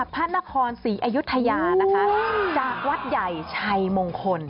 พระนครศรีอยุธยานะคะจากวัดใหญ่ชัยมงคล